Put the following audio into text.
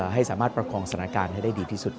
ให้สามารถประคองสถานการณ์ให้ได้ดีที่สุด